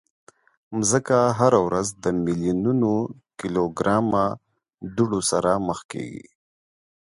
مځکه هره ورځ د میلیونونو کیلوګرامه دوړو سره مخ کېږي.